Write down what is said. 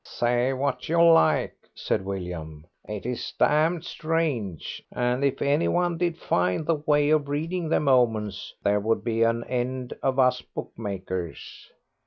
"Say what you like," said William, "it is damned strange; and if anyone did find the way of reading them omens there would be an end of us bookmakers."